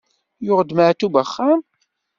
Yuɣ-d Maɛṭub axxam?